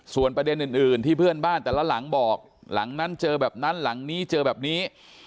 ส่วนประเด็นอื่นที่เพื่อนบ้านแต่ละหลังบอกหลังนั้นเจอแบบนั้นหลังนี้เจอแบบนี้